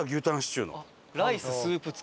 「ライススープ付」